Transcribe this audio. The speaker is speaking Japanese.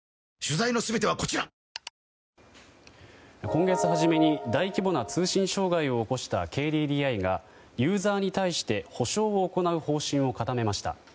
今月初めに大規模な通信障害を起こしたＫＤＤＩがユーザーに対して補償を行う方針を固めました。